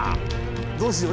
どうしよう！